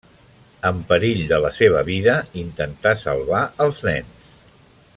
Amb perill de la seva vida, intenta salvar els nens.